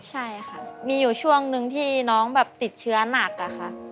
ใช่ค่ะมีอยู่ช่วงนึงที่น้องแบบติดเชื้อหนักอะค่ะ